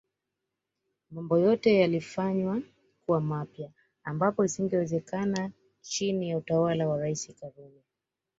Mambo yote yalifanywa kuwa mapya ambapo isingewezekana chini ya utawala wa Rais Karume